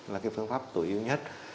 là phương pháp tối ưu nhất